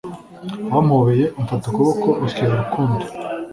wampobeye umfata ukuboko, 'ok, urukundo